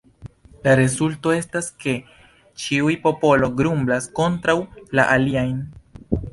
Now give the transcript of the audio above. La rezulto estas ke ĉiu popolo grumblas kontraŭ la aliajn.